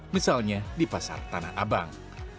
misalnya di pasar tanah abang